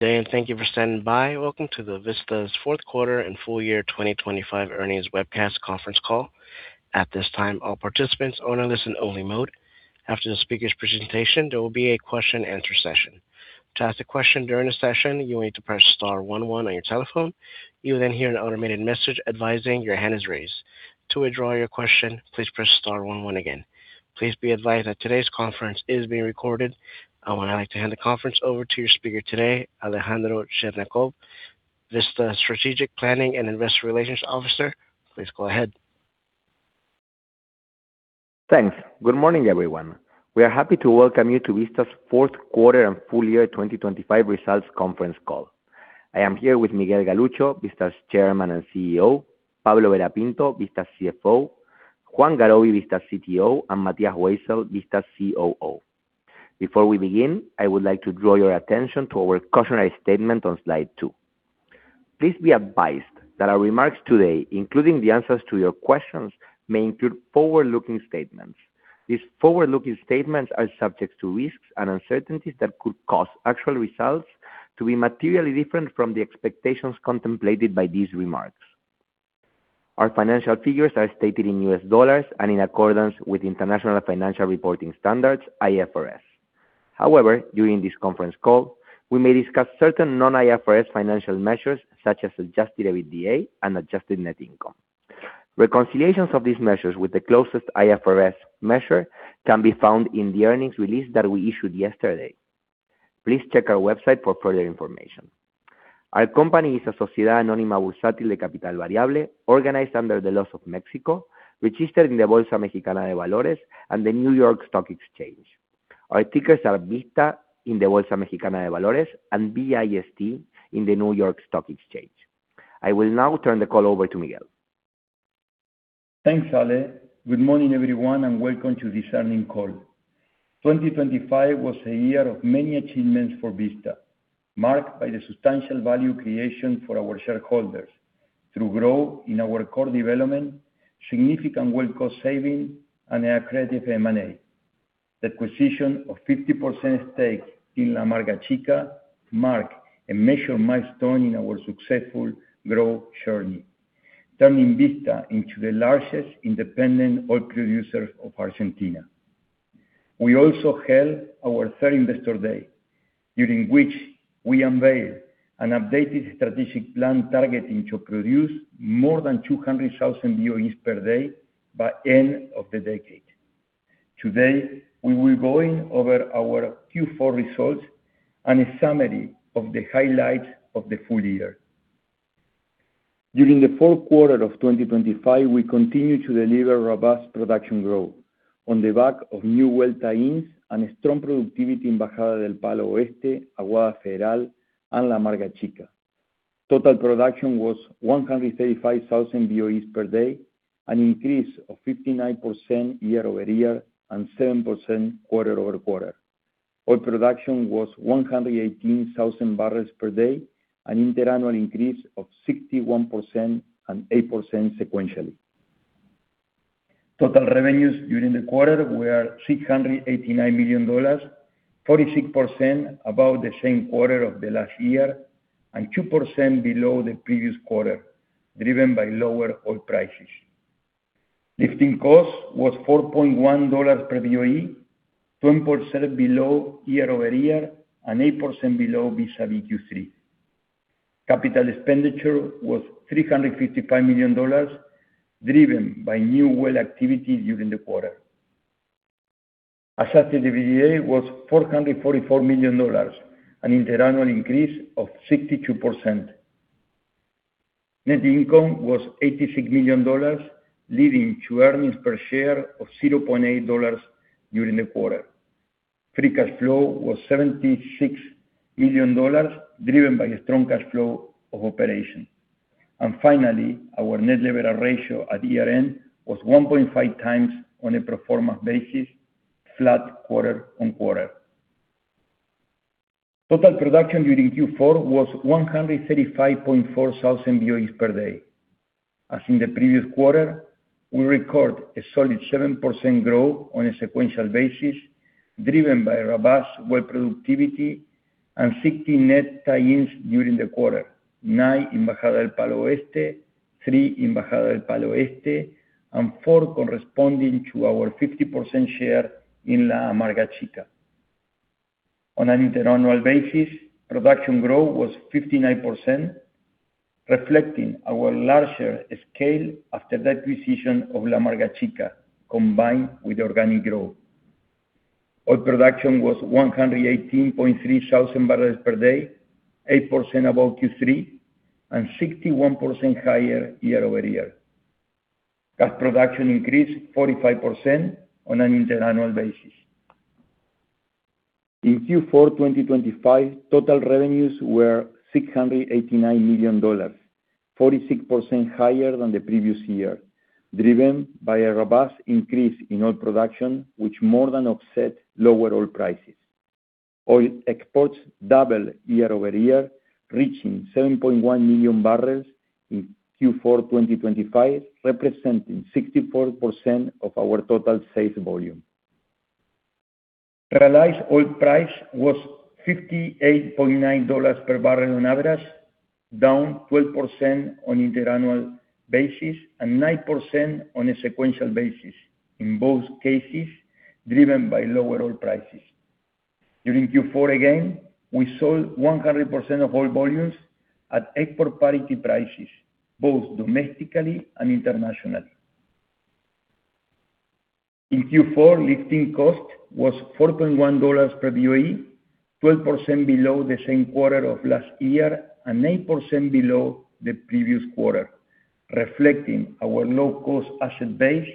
Good day. Thank you for standing by. Welcome to Vista's fourth quarter and full year 2025 earnings webcast conference call. At this time, all participants are on a listen-only mode. After the speaker's presentation, there will be a question and answer session. To ask a question during the session, you will need to press star one one on your telephone. You'll hear an automated message advising your hand is raised. To withdraw your question, please press star one one again. Please be advised that today's conference is being recorded. I would like to hand the conference over to your speaker today, Alejandro Cherñacov, Vista Strategic Planning and Investor Relations Officer. Please go ahead. Thanks. Good morning, everyone. We are happy to welcome you to Vista's fourth quarter and full year 2025 results conference call. I am here with Miguel Galuccio, Vista's Chairman and CEO, Pablo Vera Pinto, Vista's CFO, Juan Garoby, Vista's CTO, and Matias Weissel, Vista's COO. Before we begin, I would like to draw your attention to our cautionary statement on slide two. Please be advised that our remarks today, including the answers to your questions, may include forward-looking statements. These forward-looking statements are subject to risks and uncertainties that could cause actual results to be materially different from the expectations contemplated by these remarks. Our financial figures are stated in US dollars and in accordance with International Financial Reporting Standards, IFRS. However, during this conference call, we may discuss certain non-IFRS financial measures, such as adjusted EBITDA and adjusted net income. Reconciliations of these measures with the closest IFRS measure can be found in the earnings release that we issued yesterday. Please check our website for further information. Our company is a sociedad anónima bursátil de capital variable, organized under the laws of Mexico, registered in the Bolsa Mexicana de Valores and the New York Stock Exchange. Our tickers are VISTA in the Bolsa Mexicana de Valores and VIST in the New York Stock Exchange. I will now turn the call over to Miguel. Thanks, Ale. Good morning, everyone. Welcome to this earnings call. 2025 was a year of many achievements for Vista, marked by the substantial value creation for our shareholders through growth in our core development, significant well cost saving, and accretive M&A. The acquisition of 50% stake in La Amarga Chica marked a major milestone in our successful growth journey, turning Vista into the largest independent oil producer of Argentina. We also held our third Investor Day, during which we unveiled an updated strategic plan targeting to produce more than 200,000 BOEs per day by end of the decade. Today, we will be going over our Q4 results and a summary of the highlights of the full year. During the fourth quarter of 2025, we continued to deliver robust production growth on the back of new well tie-ins and a strong productivity in Bajada del Palo Este, Aguada Federal, and La Amarga Chica. Total production was 135,000 BOEs per day, an increase of 59% year-over-year and 7% quarter-over-quarter. Oil production was 118,000 barrels per day, an interannual increase of 61% and 8% sequentially. Total revenues during the quarter were $689 million, 46% above the same quarter of the last year and 2% below the previous quarter, driven by lower oil prices. Lifting cost was $4.1 per BOE, 20% below year-over-year and 8% below vis-a-vis Q3. Capital expenditure was $355 million, driven by new well activity during the quarter. Adjusted EBITDA was $444 million, an interannual increase of 62%. Net income was $86 million, leading to earnings per share of $0.8 during the quarter. Free cash flow was $76 million, driven by a strong cash flow of operation. Finally, our net leverage ratio at year-end was 1.5x on a pro forma basis, flat quarter-on-quarter. Total production during Q4 was 135.4 thousand BOEs per day. As in the previous quarter, we recorded a solid 7% growth on a sequential basis, driven by robust well productivity and 60 net tie-ins during the quarter, nine in Bajada del Palo Este, three in Bajada del Palo Este, and four corresponding to our 50% share in La Amarga Chica. On an interannual basis, production growth was 59%, reflecting our larger scale after the acquisition of La Amarga Chica, combined with organic growth. Oil production was 118.3 thousand barrels per day, 8% above Q3 and 61% higher year-over-year. Gas production increased 45% on an interannual basis. In Q4 2025, total revenues were $689 million, 46% higher than the previous year, driven by a robust increase in oil production, which more than offset lower oil prices. Oil exports doubled year-over-year, reaching 7.1 million barrels in Q4 2025, representing 64% of our total sales volume. Realized oil price was $58.9 per barrel on average, down 12% on interannual basis and 9% on a sequential basis, in both cases, driven by lower oil prices. During Q4, again, we sold 100% of oil volumes at export parity prices, both domestically and internationally. In Q4, lifting cost was $4.1 per BOE, 12% below the same quarter of last year and 8% below the previous quarter, reflecting our low-cost asset base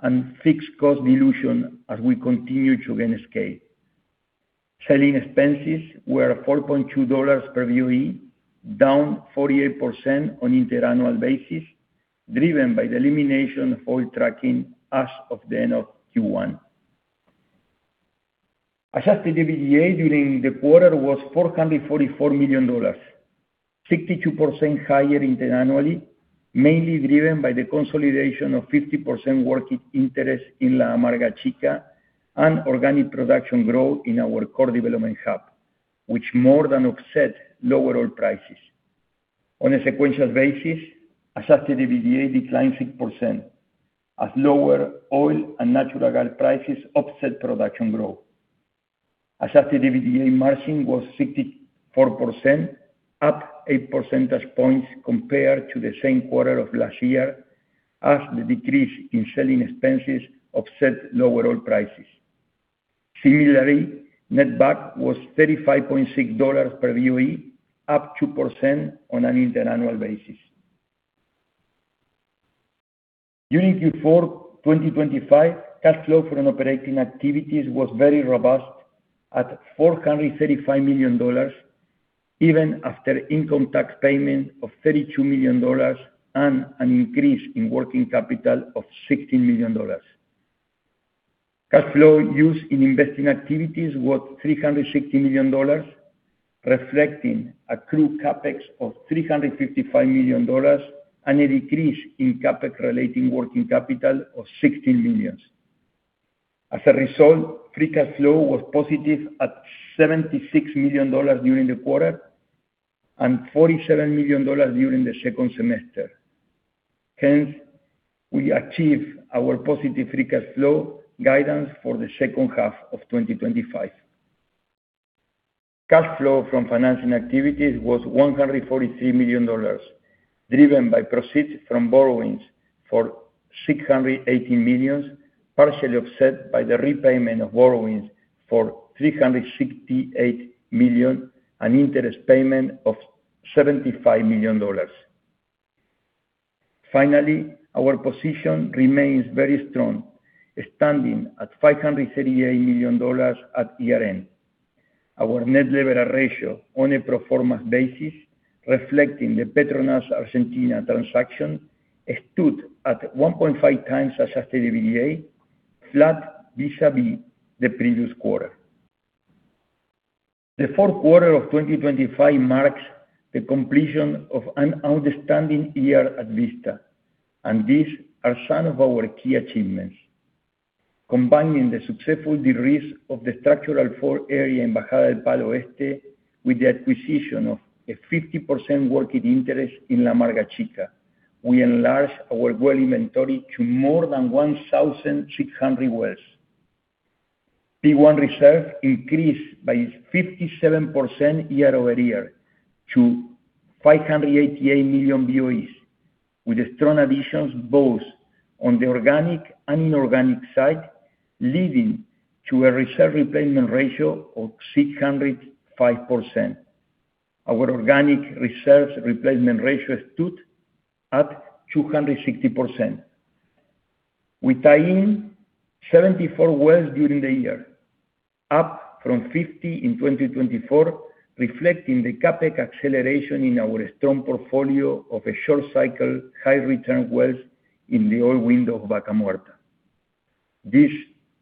and fixed cost dilution as we continue to gain scale. Selling expenses were $4.2 per BOE, down 48% on interannual basis, driven by the elimination of oil tracking as of the end of Q1. Adjusted EBITDA during the quarter was $444 million, 62% higher interannually, mainly driven by the consolidation of 50% working interest in La Amarga Chica and organic production growth in our core development hub, which more than offset lower oil prices. On a sequential basis, Adjusted EBITDA declined 6%, as lower oil and natural gas prices offset production growth. Adjusted EBITDA margin was 64%, up eight percentage points compared to the same quarter of last year, as the decrease in selling expenses offset lower oil prices. Similarly, netback was $35.6 per BOE, up 2% on an interannual basis. During Q4 2025, cash flow from operating activities was very robust at $435 million, even after income tax payment of $32 million and an increase in working capital of $16 million. Cash flow used in investing activities was $360 million, reflecting accrued CapEx of $355 million and a decrease in CapEx-relating working capital of $16 million. Free cash flow was positive at $76 million during the quarter, and $47 million during the second semester. We achieved our positive free cash flow guidance for the second half of 2025. Cash flow from financing activities was $143 million, driven by proceeds from borrowings for $680 million, partially offset by the repayment of borrowings for $368 million, an interest payment of $75 million. Our position remains very strong, standing at $538 million at year-end. Our net leverage ratio on a pro forma basis, reflecting the Petronas Argentina transaction, stood at 1.5x adjusted EBITDA, flat vis-a-vis the previous quarter. The fourth quarter of 2025 marks the completion of an outstanding year at Vista. These are some of our key achievements. Combining the successful de-risk of the structural 4 area in Bajada del Palo Este with the acquisition of a 50% working interest in La Amarga Chica, we enlarged our well inventory to more than 1,600 wells. 1P reserve increased by 57% year-over-year to 588 million BOEs, with strong additions both on the organic and inorganic side, leading to a reserve replacement ratio of 605%. Our organic reserves replacement ratio stood at 260%. We tie in 74 wells during the year, up from 50 in 2024, reflecting the CapEx acceleration in our strong portfolio of a short cycle, high return wells in the oil window of Vaca Muerta. This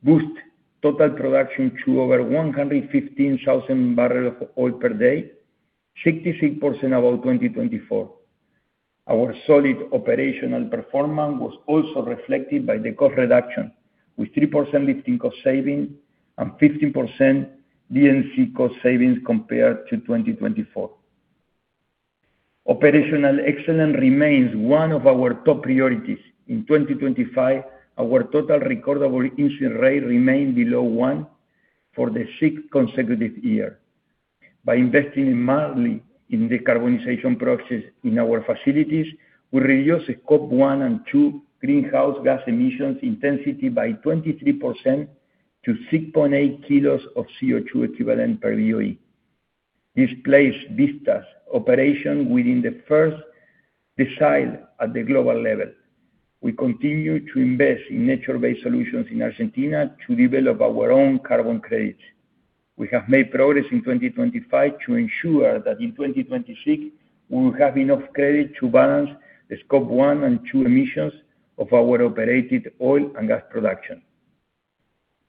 boost total production to over 115,000 barrels of oil per day, 66% above 2024. Our solid operational performance was also reflected by the cost reduction, with 3% lifting cost savings and 15% DNC cost savings compared to 2024. Operational excellence remains one of our top priorities. In 2025, our total recordable incident rate remained below one for the sixth consecutive year. By investing mildly in the carbonization process in our facilities, we reduced the Scope one and two greenhouse gas emissions intensity by 23% to 6.8 kilos of CO2 equivalent per BOE. This places Vista's operation within the first decile at the global level. We continue to invest in nature-based solutions in Argentina to develop our own carbon credits. We have made progress in 2025 to ensure that in 2026, we will have enough credit to balance the Scope one and two emissions of our operated oil and gas production.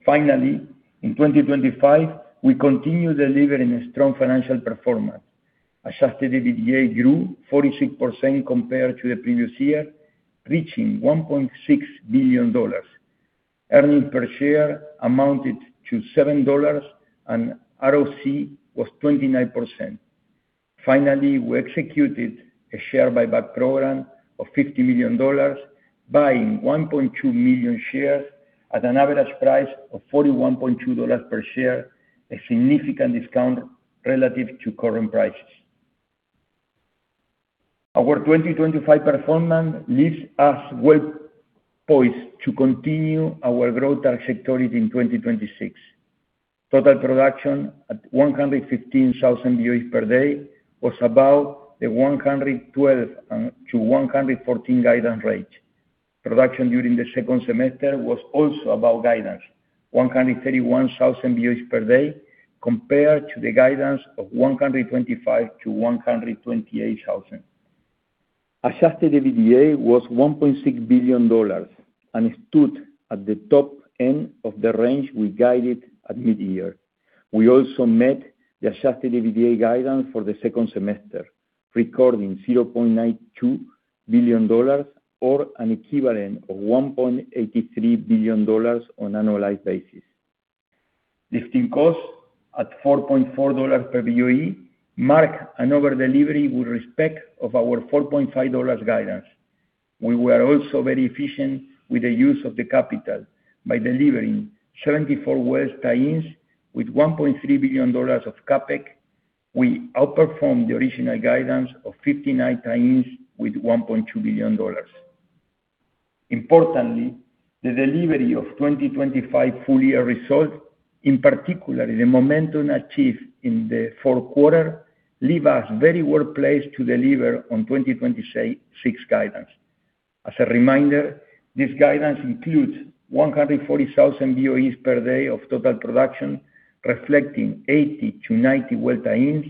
Finally, in 2025, we continued delivering a strong financial performance. adjusted EBITDA grew 46% compared to the previous year, reaching $1.6 billion. Earnings per share amounted to $7, and ROC was 29%. Finally, we executed a share buyback program of $50 million, buying 1.2 million shares at an average price of $41.2 per share, a significant discount relative to current prices. Our 2025 performance leaves us well poised to continue our growth trajectory in 2026. Total production at 115,000 BOEs per day was about the 112-114 guidance rate. Production during the second semester was also about guidance, 131,000 BOEs per day, compared to the guidance of 125,000-128,000. Adjusted EBITDA was $1.6 billion and stood at the top end of the range we guided at mid-year. We also met the adjusted EBITDA guidance for the second semester, recording $0.92 billion or an equivalent of $1.83 billion on annualized basis. Lifting costs at $4.4 per BOE, mark another delivery with respect of our $4.5 guidance. We were also very efficient with the use of the capital by delivering 74 well tie-ins with $1.3 billion of CapEx. We outperformed the original guidance of 59 tie-ins with $1.2 billion. The delivery of 2025 full year results, in particular, the momentum achieved in the fourth quarter, leave us very well placed to deliver on 2026 guidance. As a reminder, this guidance includes 140,000 BOEs per day of total production, reflecting 80-90 well tie-ins,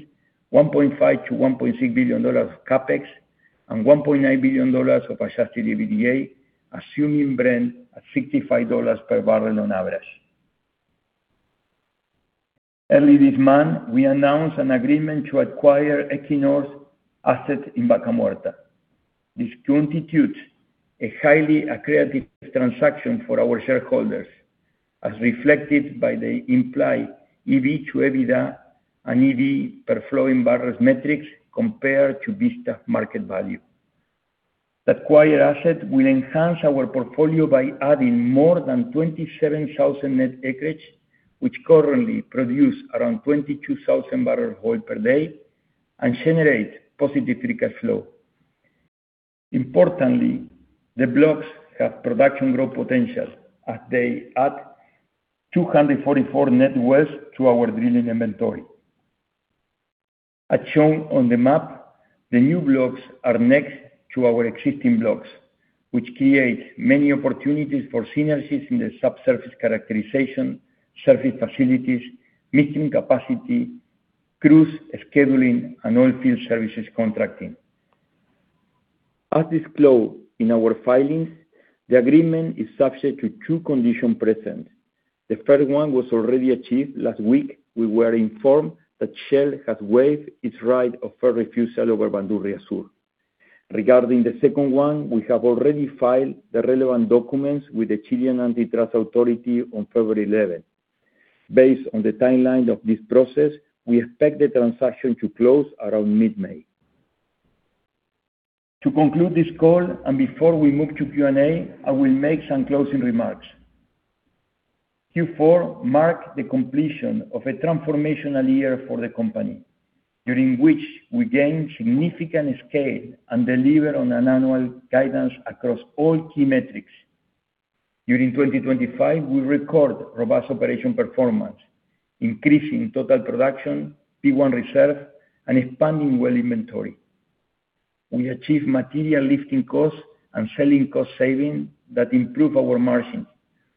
$1.5 billion-$1.6 billion of CapEx, and $1.9 billion of adjusted EBITDA, assuming Brent at $65 per barrel on average. Early this month, we announced an agreement to acquire Equinor's asset in Vaca Muerta. This constitutes a highly accretive transaction for our shareholders, as reflected by the implied EV to EBITDA and EV per flowing barrels metrics compared to Vista market value. The acquired asset will enhance our portfolio by adding more than 27,000 net acreage, which currently produce around 22,000 barrel oil per day and generate positive free cash flow. Importantly, the blocks have production growth potential as they add 244 net wells to our drilling inventory. As shown on the map, the new blocks are next to our existing blocks, which create many opportunities for synergies in the subsurface characterization, surface facilities, mixing capacity, crews, scheduling, and oil field services contracting. As disclosed in our filings, the agreement is subject to two conditions present. The first one was already achieved. Last week, we were informed that Shell has waived its right of first refusal over Bandurria Sur. Regarding the second one, we have already filed the relevant documents with the Chilean Antitrust Authority on February 11. Based on the timeline of this process, we expect the transaction to close around mid-May. To conclude this call and before we move to Q&A, I will make some closing remarks. Q4 marked the completion of a transformational year for the company, during which we gained significant scale and delivered on an annual guidance across all key metrics. During 2025, we record robust operation performance, increasing total production, 1P reserve, and expanding well inventory. We achieved material lifting costs and selling cost savings that improve our margin,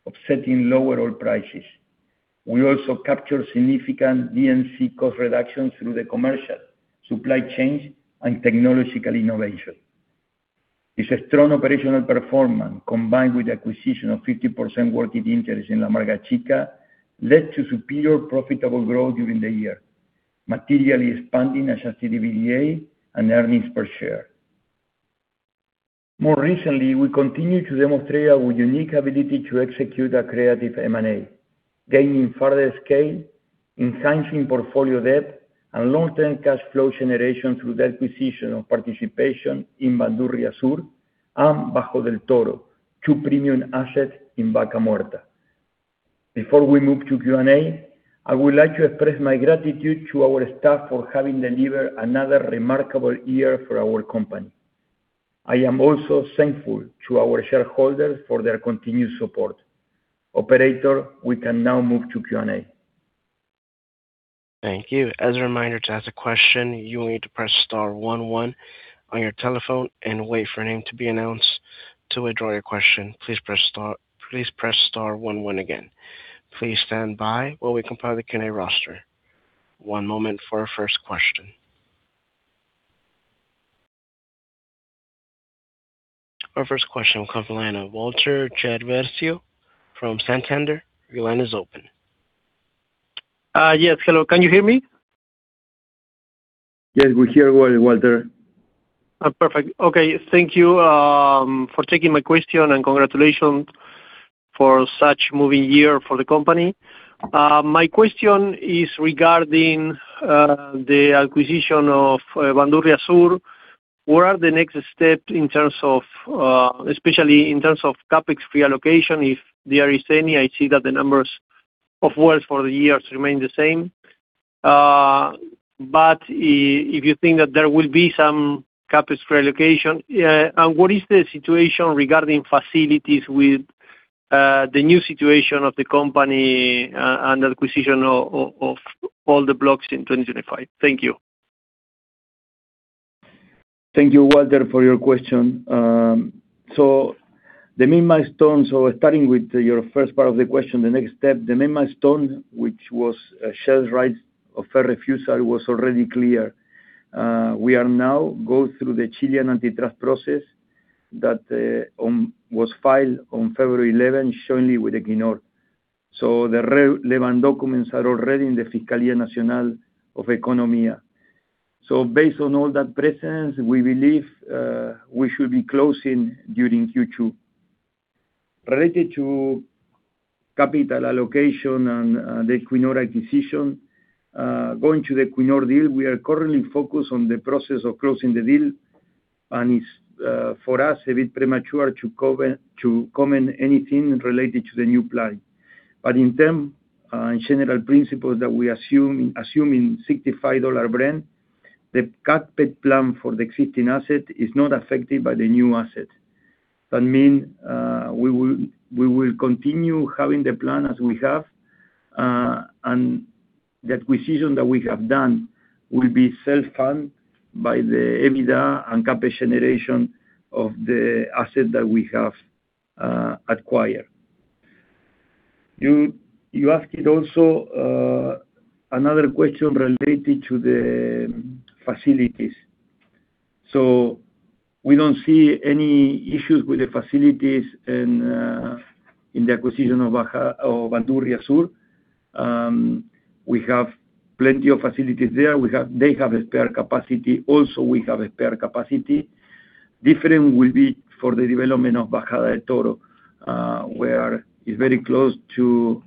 offsetting lower oil prices. We also captured significant DNC cost reductions through the commercial, supply chain, and technological innovation. This strong operational performance, combined with the acquisition of 50% working interest in La Amarga Chica, led to superior profitable growth during the year, materially expanding adjusted EBITDA and earnings per share. More recently, we continue to demonstrate our unique ability to execute a creative M&A, gaining further scale, enhancing portfolio debt, and long-term cash flow generation through the acquisition of participation in Bandurria Sur and Bajo del Toro, two premium assets in Vaca Muerta. Before we move to Q&A, I would like to express my gratitude to our staff for having delivered another remarkable year for our company. I am also thankful to our shareholders for their continued support. Operator, we can now move to Q&A. Thank you. As a reminder, to ask a question, you will need to press star one one on your telephone and wait for your name to be announced. To withdraw your question, please press star one one again. Please stand by while we compile the Q&A roster. One moment for our first question. Our first question will come from the line of Walter Chiaversio from Santander. Your line is open. yes, hello. Can you hear me? Yes, we hear you well, Walter. Perfect. Okay. Thank you for taking my question, and congratulations for such moving year for the company. My question is regarding the acquisition of Bandurria Sur. What are the next steps in terms of, especially in terms of CapEx reallocation, if there is any? I see that the numbers of wells for the years remain the same. If you think that there will be some CapEx reallocation. What is the situation regarding facilities with the new situation of the company, and acquisition of all the blocks in 2025? Thank you. Thank you, Walter, for your question. The main milestones, starting with your first part of the question, the next step, the main milestone, which was shares rights of refusal, was already clear. We are now go through the Chilean antitrust process that was filed on February 11, shortly with Equinor. The relevant documents are already in the Fiscalía Nacional Económica. Based on all that presence, we believe we should be closing during Q2. Related to capital allocation and the Equinor acquisition, going to the Equinor deal, we are currently focused on the process of closing the deal, and it's for us, a bit premature to comment anything related to the new plan. In general principles that we assume, assuming $65 Brent, the CapEx plan for the existing asset is not affected by the new asset. That mean we will continue having the plan as we have, and the acquisition that we have done will be self-funded by the EBITDA and CapEx generation of the asset that we have acquired. You asked also another question related to the facilities. We don't see any issues with the facilities in the acquisition of Bandurria Sur. We have plenty of facilities there. They have a spare capacity, also we have a spare capacity. Different will be for the development of Bajada del Toro, where it's very close to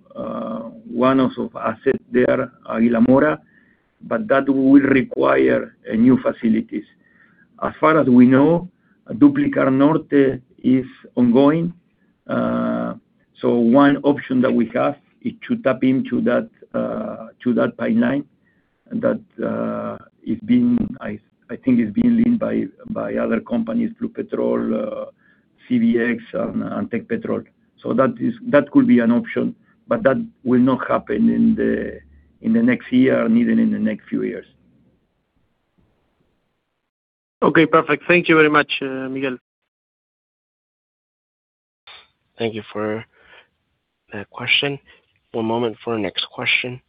one of our asset there, Aguila Mora, but that will require new facilities. As far as we know, Duplicar Norte is ongoing. One option that we have is to tap into that, to that pipeline, and that, is being, I think is being led by other companies, Trupetrol, CVX, and Tecpetrol. That could be an option, but that will not happen in the next year, nor even in the next few years. Okay, perfect. Thank you very much, Miguel. Thank you for that question. One moment for our next question.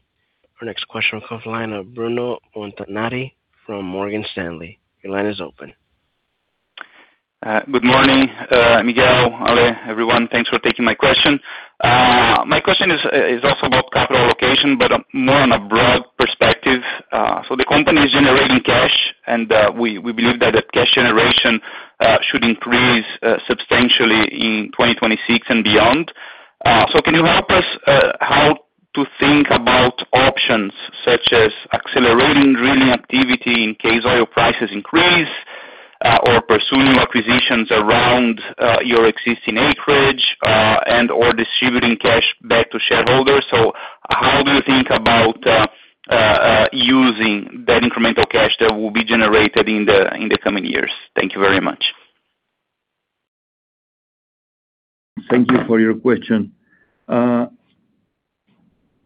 Our next question will come from the line of Bruno Montanari from Morgan Stanley. Your line is open. Good morning, Miguel, Ale, everyone. Thanks for taking my question. My question is also about capital allocation, but more on a broad perspective. The company is generating cash, and we believe that the cash generation should increase substantially in 2026 and beyond. Can you help us how to think about options such as accelerating drilling activity in case oil prices increase, or pursuing acquisitions around your existing acreage and/or distributing cash back to shareholders? How do you think about using that incremental cash that will be generated in the coming years? Thank you very much. Thank you for your question.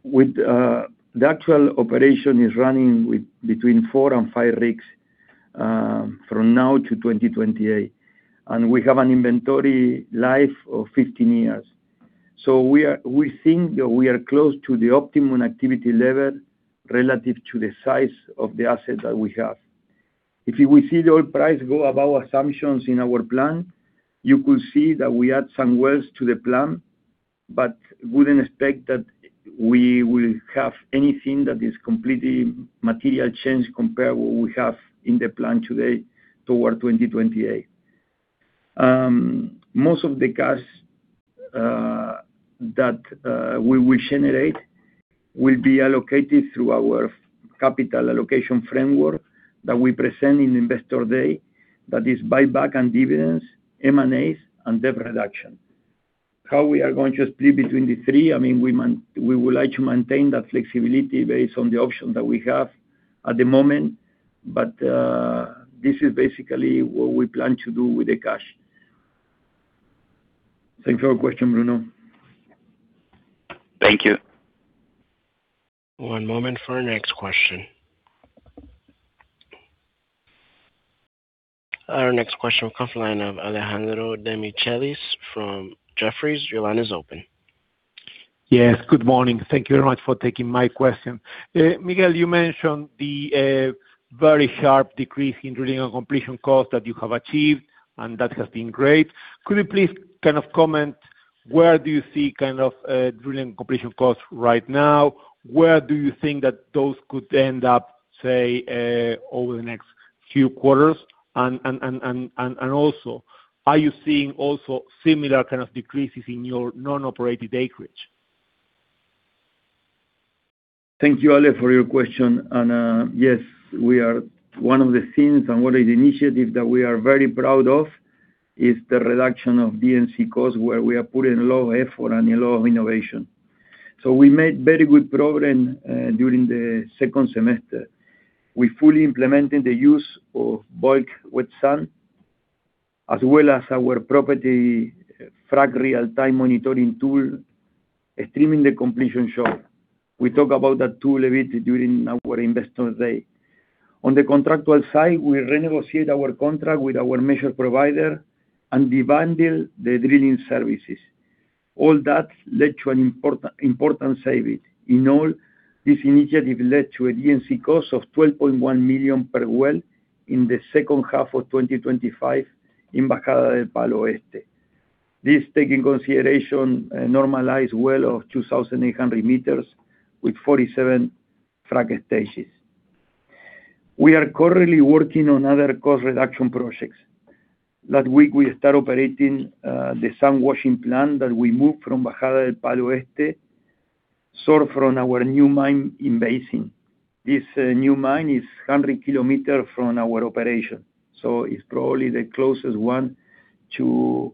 With the actual operation is running with between four and five rigs, from now to 2028, and we have an inventory life of 15 years. We think that we are close to the optimum activity level relative to the size of the assets that we have. If we see the oil price go above our assumptions in our plan, you could see that we add some wells to the plan, but wouldn't expect that we will have anything that is completely material change compared what we have in the plan today toward 2028. Most of the cash that we will generate will be allocated through our capital allocation framework that we present in Investor Day. That is buyback and dividends, M&As, and debt reduction. How we are going to split between the 3? I mean, we would like to maintain that flexibility based on the options that we have at the moment. This is basically what we plan to do with the cash. Thanks for your question, Bruno. Thank you. One moment for our next question. Our next question will come from the line of Alejandro Demichelis from Jefferies. Your line is open. Yes, good morning. Thank you very much for taking my question. Miguel, you mentioned the very sharp decrease in drilling and completion cost that you have achieved, and that has been great. Could you please kind of comment, where do you see kind of drilling completion costs right now? Where do you think that those could end up, say, over the next few quarters? Also, are you seeing also similar kind of decreases in your non-operated acreage? Thank you, Ale, for your question. Yes, one of the things and one of the initiatives that we are very proud of, is the reduction of DNC costs, where we are putting low effort and low innovation. We made very good progress during the second semester. We fully implemented the use of bulk frac sand, as well as our property frack real-time monitoring tool, Xtrema Completion Shop. We talk about that tool a bit during our Investor Day. On the contractual side, we renegotiate our contract with our measure provider and the bundle, the drilling services. All that led to an important saving. In all, this initiative led to a DNC cost of $12.1 million per well in the second half of 2025 in Bajada del Palo Este. This take in consideration, normalized well of 2,800 m with 47 frac stages. We are currently working on other cost reduction projects. That week, we start operating, the sand washing plant that we moved from Bajada del Palo Este, sort from our new mine in basin. This new mine is 100 km from our operation, so it's probably the closest one to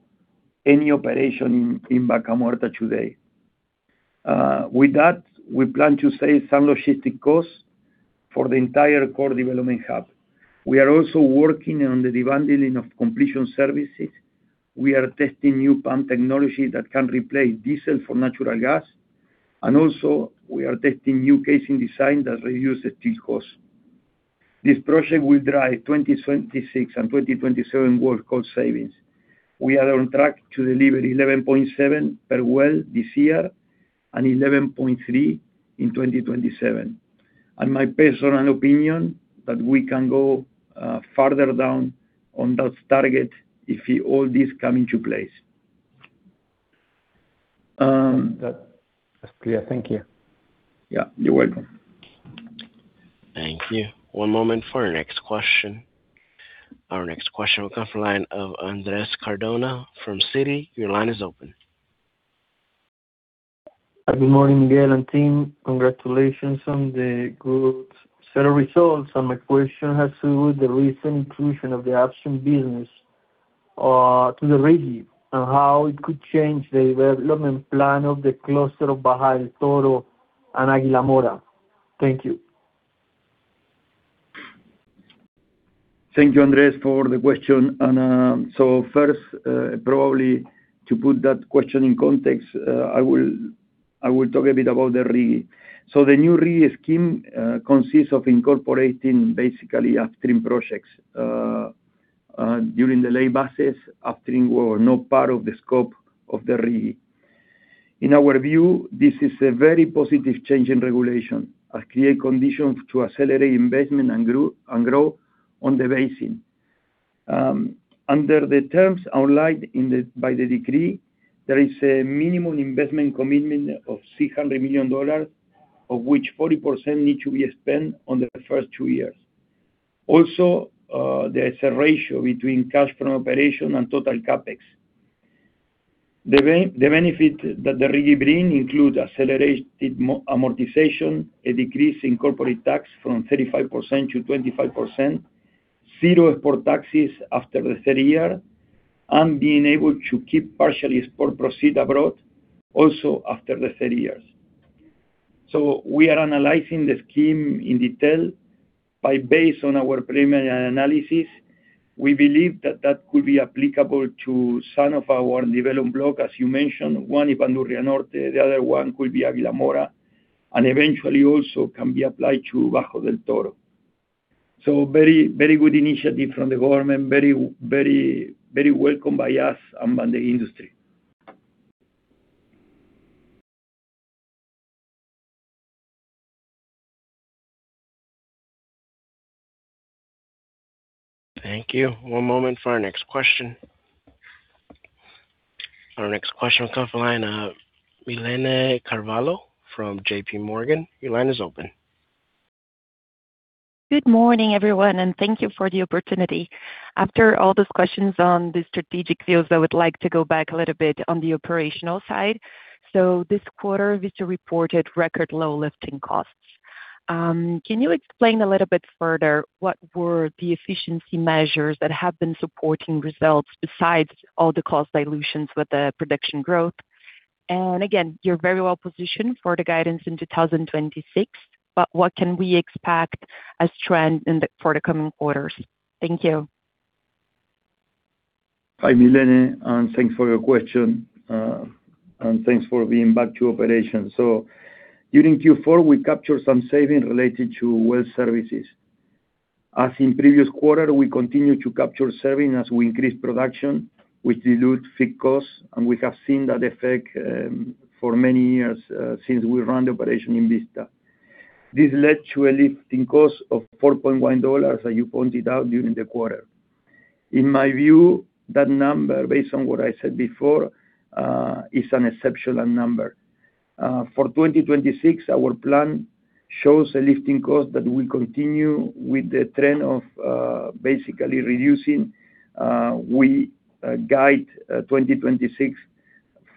any operation in Vaca Muerta today. With that, we plan to save some logistic costs for the entire core development hub. We are also working on the bundling of completion services. We are testing new pump technology that can replace diesel for natural gas, and also we are testing new casing design that reduces cost. This project will drive 2026 and 2027 well cost savings. We are on track to deliver 11.7 per well this year and 11.3 in 2027. My personal opinion, that we can go farther down on that target if all this come into place. That's clear. Thank you. Yeah, you're welcome. Thank you. One moment for our next question. Our next question will come from line of Andres Cardona from Citi. Your line is open. Good morning, Miguel and team. Congratulations on the good set of results. My question has to do with the recent inclusion of the upstream business to the RIGI, and how it could change the development plan of the cluster of Bajada del Toro and Aguila Mora. Thank you. Thank you, Andres, for the question. First, probably to put that question in context, I will talk a bit about the RIGI. The new RIGI scheme consists of incorporating basically upstream projects during the lay bases, upstream were not part of the scope of the RIGI. In our view, this is a very positive change in regulation, and create conditions to accelerate investment and grow on the basin. Under the terms outlined by the decree, there is a minimum investment commitment of $600 million, of which 40% need to be spent on the first two years. Also, there is a ratio between cash from operation and total CapEx. The benefit that the rig bring includes accelerated amortization, a decrease in corporate tax from 35%-25%, zero export taxes after the 3rd year, and being able to keep partially export proceed abroad, also after the 30 years. We are analyzing the scheme in detail based on our preliminary analysis, we believe that that could be applicable to some of our development block, as you mentioned, one, Ipanure Norte, the other one could be Aguila Mora, and eventually also can be applied to Bajo del Toro. Very, very good initiative from the government. Very, very, very welcome by us and by the industry. Thank you. One moment for our next question. Our next question will come from line of Milene Carvalho from JP Morgan. Your line is open. Good morning, everyone, and thank you for the opportunity. After all those questions on the strategic deals, I would like to go back a little bit on the operational side. This quarter, you reported record low lifting costs. Can you explain a little bit further what were the efficiency measures that have been supporting results besides all the cost dilutions with the production growth? Again, you're very well positioned for the guidance in 2026, but what can we expect as trend for the coming quarters? Thank you. Hi, Milene, thanks for your question, and thanks for being back to operation. During Q4, we captured some savings related to well services. As in previous quarter, we continue to capture savings as we increase production, which dilutes fixed costs, and we have seen that effect for many years since we run the operation in Vista. This led to a lifting cost of $4.1, as you pointed out, during the quarter. In my view, that number, based on what I said before, is an exceptional number. For 2026, our plan shows a lifting cost that will continue with the trend of basically reducing. We guide 2026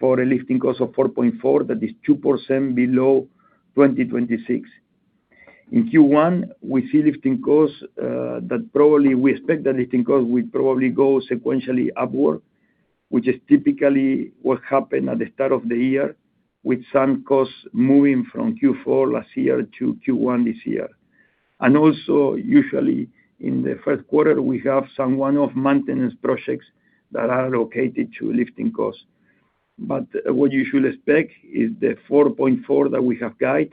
for a lifting cost of $4.4, that is 2% below 2026. In Q1, we see lifting costs, that probably we expect the lifting cost will probably go sequentially upward, which is typically what happened at the start of the year, with some costs moving from Q4 last year to Q1 this year. Also, usually in the first quarter, we have some one-off maintenance projects that are allocated to lifting costs. What you should expect is the $4.4 that we have guide,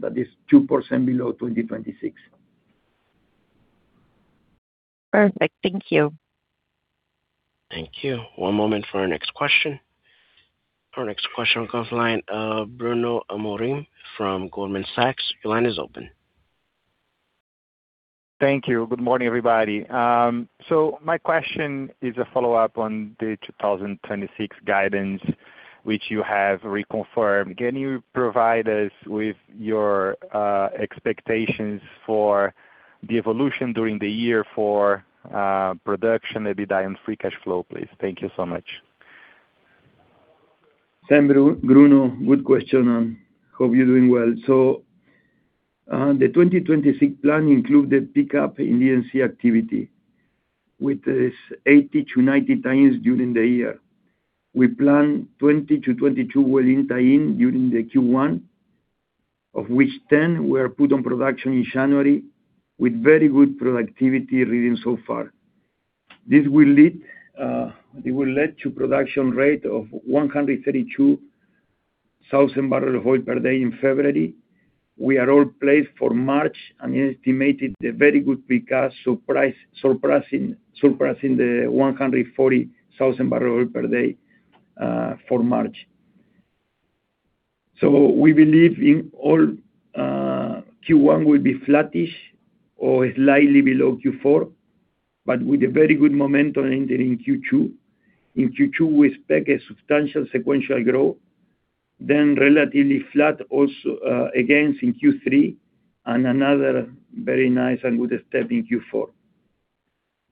that is 2% below 2026. Perfect. Thank you. Thank you. One moment for our next question. Our next question comes line, Bruno Amorim from Goldman Sachs. Your line is open. Thank you. Good morning, everybody. My question is a follow-up on the 2026 guidance, which you have reconfirmed. Can you provide us with your expectations for the evolution during the year for production, EBITDA, and free cash flow, please? Thank you so much. Thanks, Bruno. Good question, and hope you're doing well. The 2026 plan included pickup in the NC activity with this 80-90 tie-ins during the year. We plan 20-22 well in tie-in during the Q1, of which 10 were put on production in January, with very good productivity reading so far. This will lead. It will lead to production rate of 132,000 barrels of oil per day in February. We are all placed for March, and estimated a very good precast surprise, surpassing the 140,000 barrels per day for March. We believe in all, Q1 will be flattish or slightly below Q4, but with a very good momentum entering Q2. In Q2, we expect a substantial sequential growth, then relatively flat also, again, in Q3, and another very nice and good step in Q4.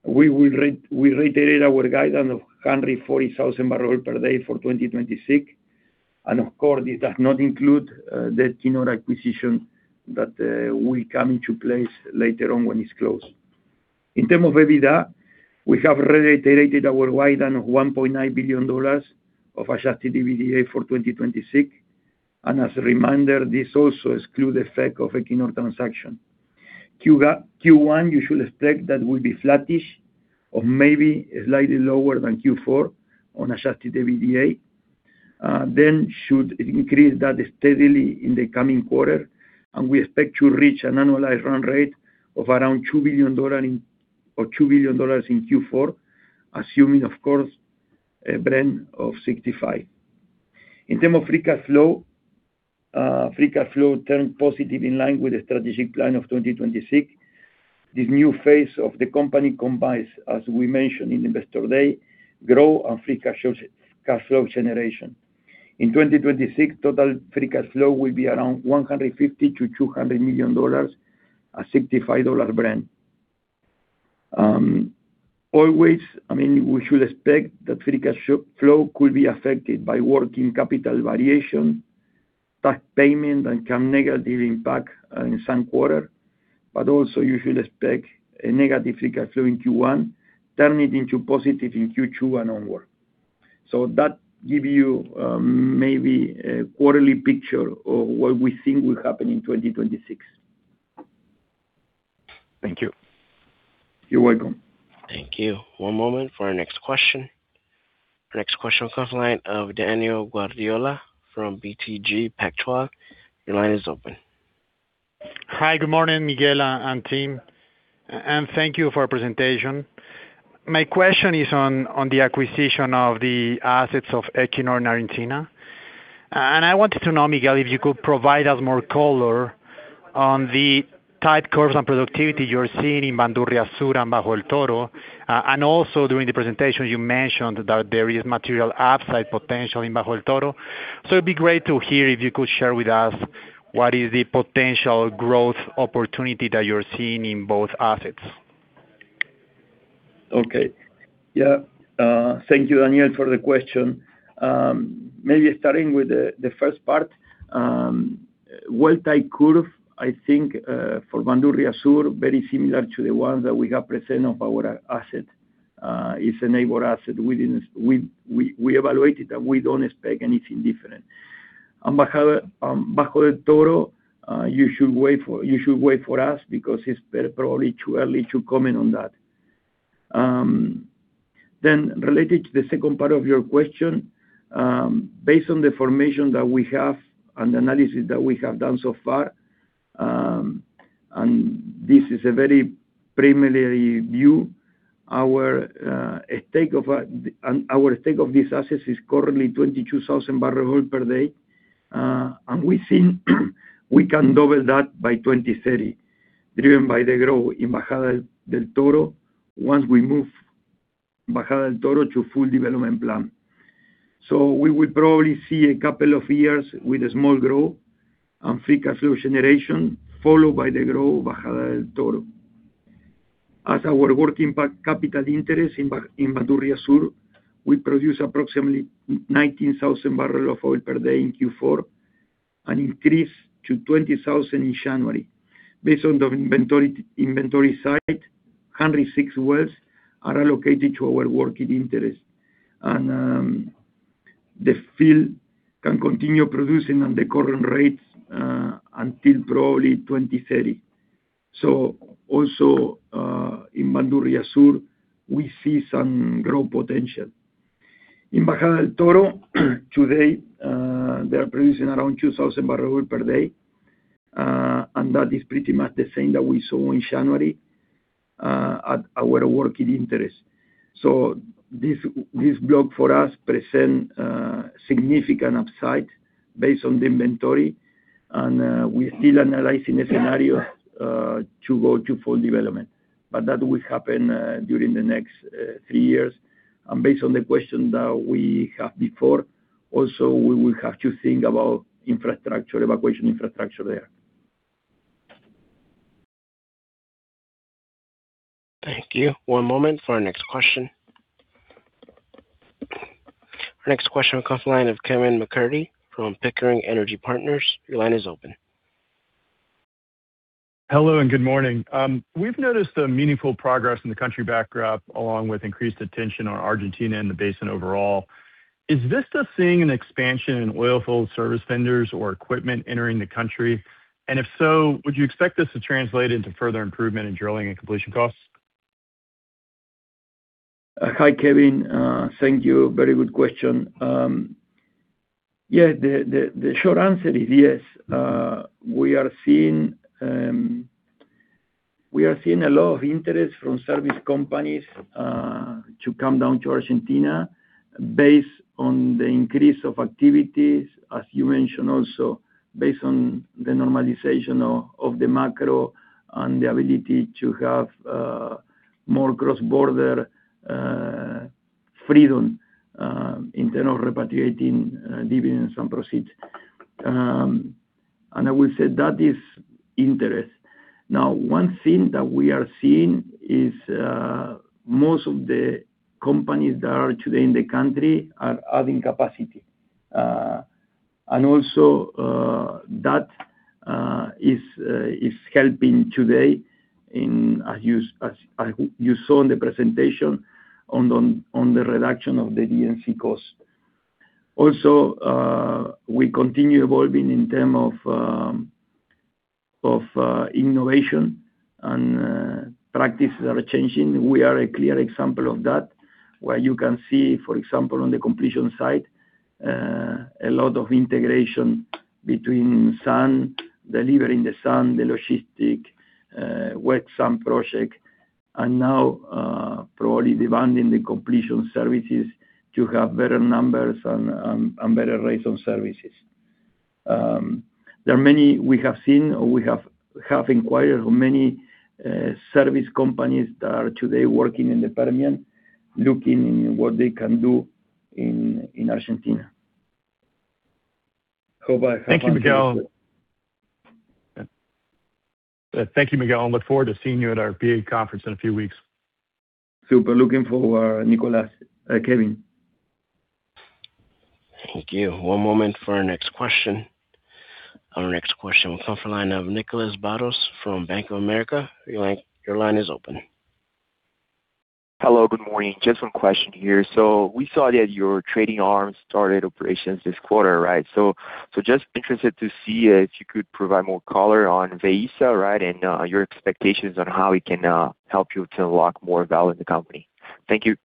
We reiterate our guidance of 140,000 barrels per day for 2026, and of course, this does not include, the Equinor acquisition that will come into place later on when it's closed. In term of EBITDA, we have reiterated our wide and $1.9 billion of adjusted EBITDA for 2026. As a reminder, this also excludes the effect of a Equinor transaction. Q1, you should expect that will be flattish or maybe slightly lower than Q4 on adjusted EBITDA. Should increase that steadily in the coming quarter, and we expect to reach an annualized run rate of around $2 billion in, or $2 billion in Q4, assuming, of course, a Brent of 65. In term of free cash flow, free cash flow turned positive in line with the strategic plan of 2026. This new phase of the company combines, as we mentioned in Investor Day, grow on free cash flow generation. In 2026, total free cash flow will be around $150 million-$200 million, a $65 Brent. Always, I mean, we should expect that free cash flow could be affected by working capital variation, tax payment, and come negative impact in some quarter. Also, you should expect a negative free cash flow in Q1, turn it into positive in Q2 and onward. That give you, maybe a quarterly picture of what we think will happen in 2026. Thank you. You're welcome. Thank you. One moment for our next question. Next question, comes line of Daniel Guardiola from BTG Pactual. Your line is open. Hi, good morning, Miguel and team, and thank you for our presentation. My question is on the acquisition of the assets of Equinor in Argentina. I wanted to know, Miguel, if you could provide us more color on the type curves and productivity you're seeing in Bandurria Sur and Bajo del Toro. Also during the presentation, you mentioned that there is material upside potential in Bajo del Toro. It'd be great to hear, if you could share with us, what is the potential growth opportunity that you're seeing in both assets? Okay. Yeah. Thank you, Daniel, for the question. Maybe starting with the first part. Well, tight curve, I think, for Bandurria Sur, very similar to the ones that we have presented of our asset. It's a neighbor asset within us. We evaluated that we don't expect anything different. On Bajo del Toro, you should wait for us because it's probably too early to comment on that. Then related to the second part of your question, based on the information that we have and the analysis that we have done so far, and this is a very preliminary view, our stake of and our stake of this assets is currently 22,000 barrel oil per day. We think we can double that by 2030, driven by the growth in Bajada del Toro once we move Bajada del Toro to full development plan. We will probably see a couple of years with a small growth and free cash flow generation, followed by the growth of Bajada del Toro. As our working pack capital interest in Bandurria Sur, we produce approximately 19,000 barrels of oil per day in Q4, an increase to 20,000 in January. Based on the inventory site, 106 wells are allocated to our working interest. The field can continue producing at the current rates until probably 2030. Also, in Bandurria Sur, we see some growth potential. In Bajada del Toro, today, they are producing around 2,000 barrel per day, and that is pretty much the same that we saw in January, at our working interest. This block for us present significant upside based on the inventory, and we're still analyzing a scenario to go to full development. That will happen during the next three years. Based on the question that we have before, also we will have to think about infrastructure, evacuation infrastructure there. Thank you. One moment for our next question. Our next question will come from the line of Kevin MacCurdy from Pickering Energy Partners. Your line is open. Hello, and good morning. We've noticed a meaningful progress in the country backdrop, along with increased attention on Argentina and the basin overall. Is Vista seeing an expansion in oil field service vendors or equipment entering the country? If so, would you expect this to translate into further improvement in drilling and completion costs? Hi, Kevin. Thank you. Very good question. Yeah, the short answer is yes. We are seeing a lot of interest from service companies to come down to Argentina based on the increase of activities, as you mentioned, also based on the normalization of the macro and the ability to have more cross-border freedom in terms of repatriating dividends and proceeds. I will say that is interest. Now, one thing that we are seeing is most of the companies that are today in the country are adding capacity. Also, that is helping today in, as you saw in the presentation, on the reduction of the DNC costs. Also, we continue evolving in term of innovation and practices are changing. We are a clear example of that, where you can see, for example, on the completion side, a lot of integration between sand, delivering the sand, the logistic, work some project, and now, probably demanding the completion services to have better numbers and better rates on services. There are many we have seen or we have inquired from many service companies that are today working in the Permian, looking in what they can do in Argentina. Hope I- Thank you, Miguel. I look forward to seeing you at our BofA conference in a few weeks. Super looking forward, Nicholas, Kevin. Thank you. One moment for our next question. Our next question will come from the line of Nicolas Barros from Bank of America. Your line is open. Hello, good morning. Just one question here. We saw that your trading arm started operations this quarter, right? Just interested to see if you could provide more color on VASA, right, and your expectations on how it can help you to unlock more value in the company. Thank you.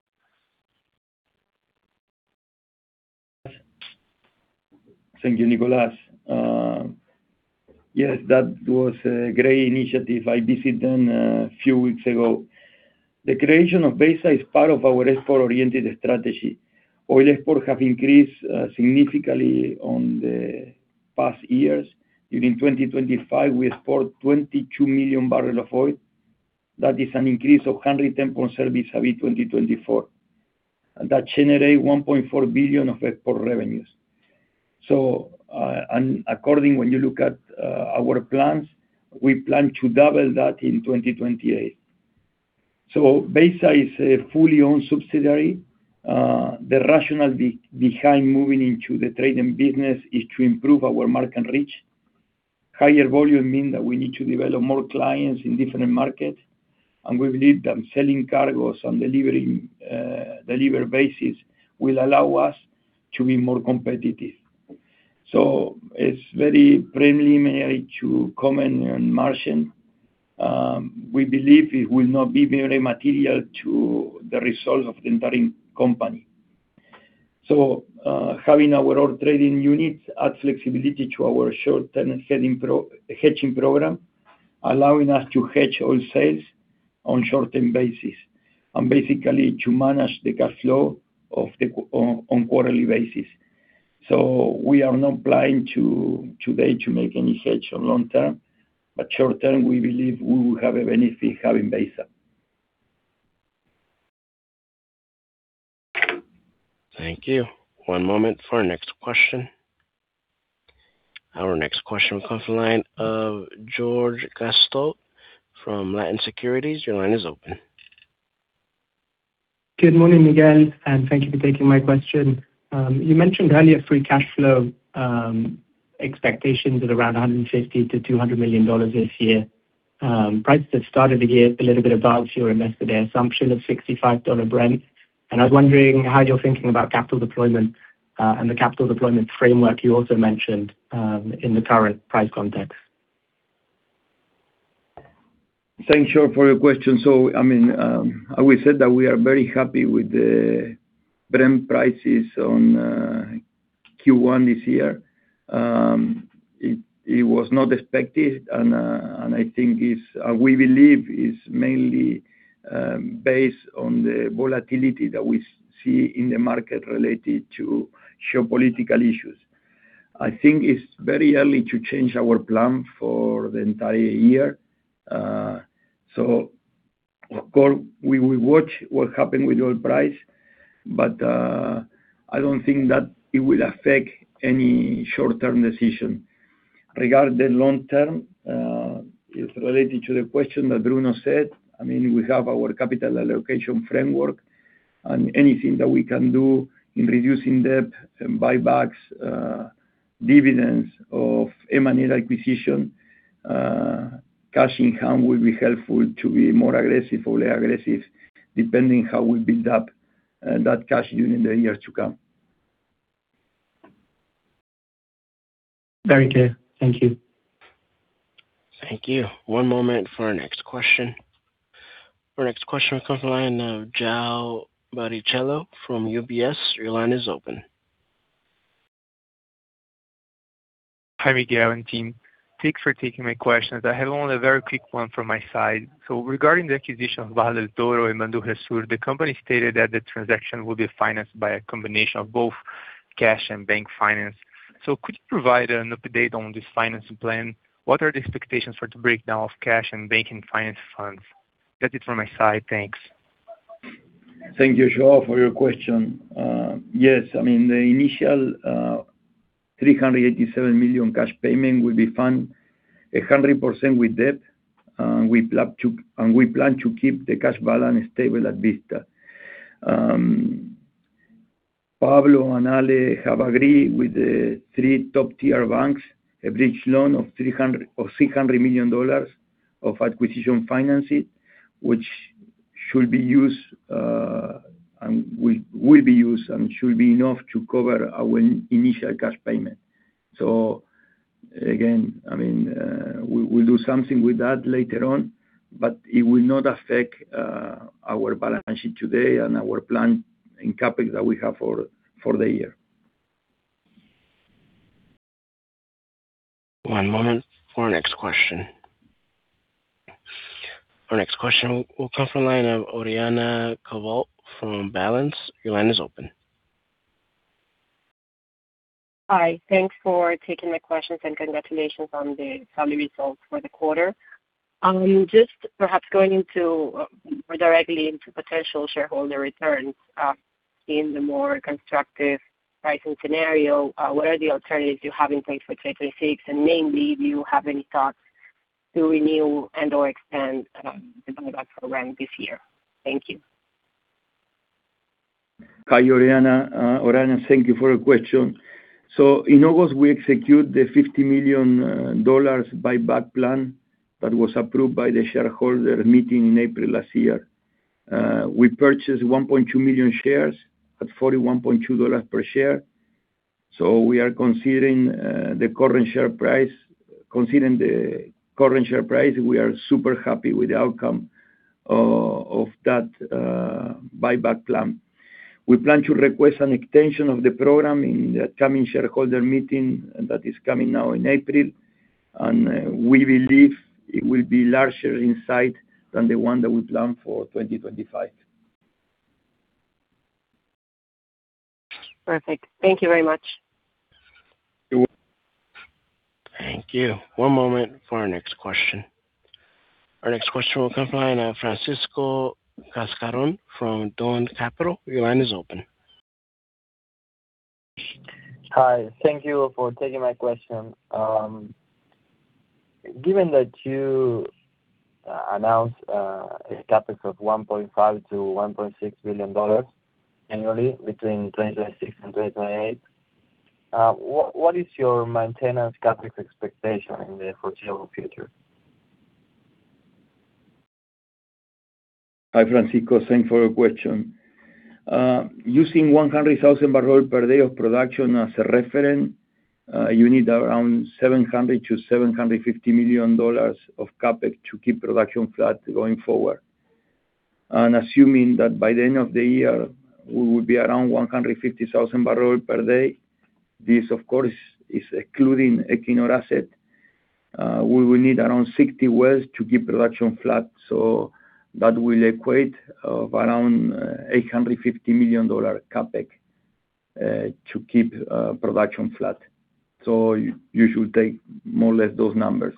Thank you, Nicholas. Yes, that was a great initiative. I visited them a few weeks ago. The creation of VASA is part of our export-oriented strategy. Oil export have increased significantly on the past years. During 2025, we exported 22 million barrel of oil. That is an increase of 110 point service over 2024. That generate $1.4 billion of export revenues. According when you look at our plans, we plan to double that in 2028. VASA is a fully owned subsidiary. The rationale behind moving into the trading business is to improve our market reach. Higher volume mean that we need to develop more clients in different markets, and we believe that selling cargoes on deliver basis will allow us to be more competitive. It's very preliminary to comment on margin. We believe it will not be very material to the results of the entire company. Having our oil trading units adds flexibility to our short-term hedging program, allowing us to hedge oil sales on short-term basis, and basically to manage the cash flow of the on quarterly basis. We are not planning today to make any hedge on long term, but short term, we believe we will have a benefit having VASA. Thank you. One moment for our next question. Our next question comes from the line of George Gasztowtt from Latin Securities. Your line is open. Good morning again, and thank you for taking my question. You mentioned earlier free cash flow expectations at around $150 million-$200 million this year. Prices have started the year a little bit above your invested assumption of $65 Brent, I was wondering how you're thinking about capital deployment and the capital deployment framework you also mentioned in the current price context. Thanks, George, for your question. I mean, we said that we are very happy with the Brent prices on Q1 this year. It was not expected, and I think it's we believe it's mainly based on the volatility that we see in the market related to geopolitical issues. I think it's very early to change our plan for the entire year. Of course, we will watch what happened with oil price, but I don't think that it will affect any short-term decision. Regarding the long term, it's related to the question that Bruno said. I mean, we have our capital allocation framework, and anything that we can do in reducing debt and buybacks, dividends of M&A acquisition, cash income will be helpful to be more aggressive or less aggressive, depending how we build up, that cash unit in the years to come. Very clear. Thank you. Thank you. One moment for our next question. Our next question comes from the line of João Barichello from UBS. Your line is open. Hi, Miguel and team. Thanks for taking my questions. I have only a very quick one from my side. Regarding the acquisition of Bajo del Toro and Bandurria Sur, the company stated that the transaction will be financed by a combination of both cash and bank finance. Could you provide an update on this financing plan? What are the expectations for the breakdown of cash and banking finance funds? That's it from my side. Thanks. Thank you, João, for your question. Yes, I mean, the initial $387 million cash payment will be funded 100% with debt, and we plan to keep the cash balance stable at Vista. Pablo and Ale have agreed with the three top-tier banks, a bridge loan of $600 million of acquisition financing, which should be used and will be used and should be enough to cover our initial cash payment. Again, I mean, we'll do something with that later on, but it will not affect our balance sheet today and our plan in CapEx that we have for the year. One moment for our next question. Our next question will come from the line of Oriana Covault from Balanz. Your line is open. Hi. Thanks for taking my questions, and congratulations on the solid results for the quarter. Just perhaps going into, more directly into potential shareholder returns, in the more constructive pricing scenario, what are the alternatives you have in place for 2026? Namely, do you have any thoughts to renew and/or extend the buyback program this year? Thank you. Hi, Oriana, thank you for your question. In August, we execute the $50 million buyback plan that was approved by the shareholder meeting in April 2024. We purchased 1.2 million shares at $41.2 per share. We are considering the current share price. Considering the current share price, we are super happy with the outcome of that buyback plan. We plan to request an extension of the program in the coming shareholder meeting, and that is coming now in April. We believe it will be larger in size than the one that we planned for 2025. Perfect. Thank you very much. Thank you. One moment for our next question. Our next question will come from Francisco Cascarón from DON Capital. Your line is open. Hi, thank you for taking my question. Given that you announced a CapEx of $1.5 billion-$1.6 billion annually between 2026 and 2028, what is your maintenance CapEx expectation in the foreseeable future? Hi, Francisco. Thanks for your question. Using 100,000 barrels per day of production as a reference, you need around $700 million-$750 million of CapEx to keep production flat going forward. Assuming that by the end of the year, we will be around 150,000 barrels per day, this, of course, is including Equinor asset. We will need around 60 wells to keep production flat, that will equate of around, $850 million CapEx, to keep production flat. You should take more or less those numbers.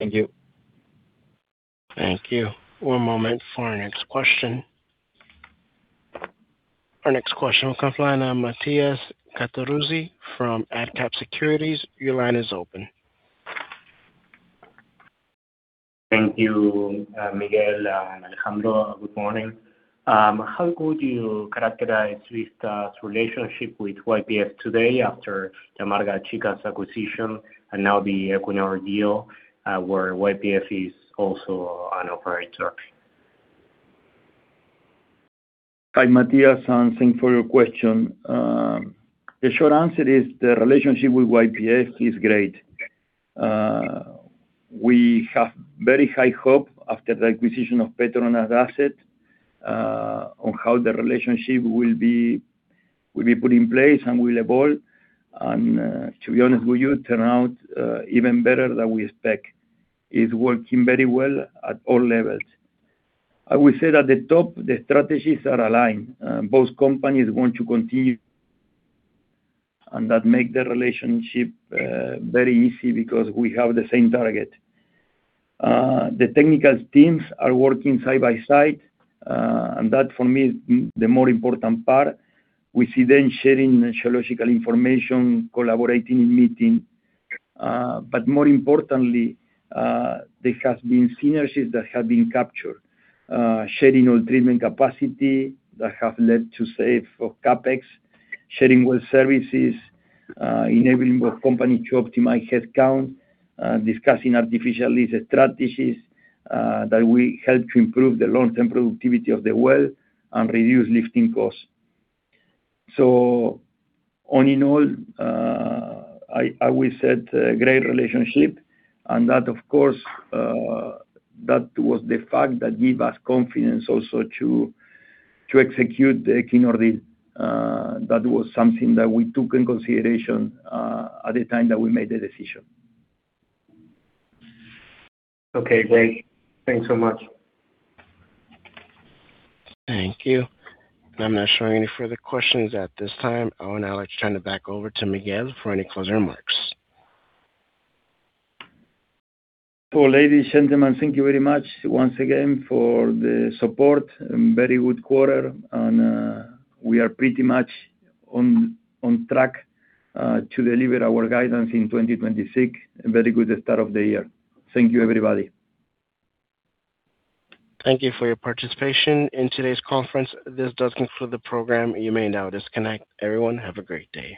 Thank you. Thank you. One moment for our next question. Our next question will come from Matías Cattaruzzi from AdCap Securities. Your line is open. Thank you, Miguel and Alejandro. Good morning. How would you characterize Vista's relationship with YPF today after the La Amarga Chica acquisition and now the Equinor deal, where YPF is also an operator? Hi, Matías, and thanks for your question. The short answer is the relationship with YPF is great. We have very high hope after the acquisition of Petronas asset, on how the relationship will be put in place and will evolve. To be honest with you, turn out even better than we expect. It's working very well at all levels. I would say that the top, the strategies are aligned. Both companies want to continue, and that make the relationship very easy because we have the same target. The technical teams are working side by side, and that for me, is the more important part. We see them sharing geological information, collaborating, meeting, but more importantly, there has been synergies that have been captured. Sharing oil treatment capacity that have led to save for CapEx, sharing well services, enabling both companies to optimize headcount, discussing artificially the strategies that will help to improve the long-term productivity of the well and reduce lifting costs. All in all, I will say it's a great relationship, and that, of course, that was the fact that give us confidence also to execute the Equinor deal. That was something that we took in consideration at the time that we made the decision. Okay, great. Thanks so much. Thank you. I'm not showing any further questions at this time. I would now like to turn it back over to Miguel for any closing remarks. Ladies and gentlemen, thank you very much once again for the support and very good quarter, and, we are pretty much on track, to deliver our guidance in 2026. A very good start of the year. Thank you, everybody. Thank you for your participation in today's conference. This does conclude the program. You may now disconnect. Everyone, have a great day.